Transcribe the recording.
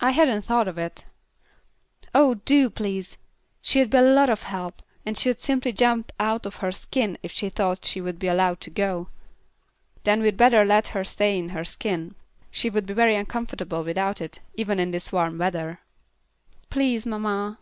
"I hadn't thought of it." "Oh, do, please; she'd be a lot of help, and she'd simply jump out of her skin if she thought she would be allowed to go." "Then we'd better let her stay in her skin. She would be very uncomfortable without it, even in this warm weather." "Please, mamma."